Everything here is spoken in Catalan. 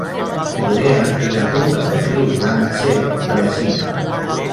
Corea i la conca del riu Iang-Tsé a la Xina.